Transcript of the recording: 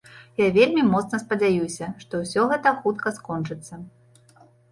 Я вельмі моцна спадзяюся, што ўсё гэта хутка скончыцца.